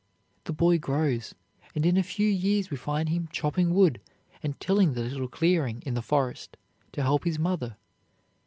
The boy grows, and in a few years we find him chopping wood and tilling the little clearing in the forest, to help his mother.